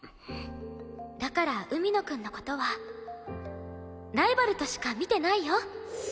だから海野くんの事はライバルとしか見てないよ。